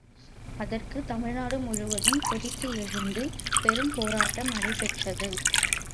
அதற்குத் தமிழ்நாடு முழுதும் கொதித்து எழுந்து பெரும் போராட்டம் நடைபெற்றது.